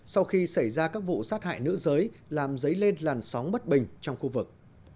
sau khi xảy ra các vụ sát hại nữ giới làm dấy lên làn sóng bất bình trong khu vực